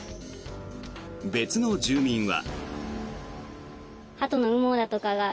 別の住民は。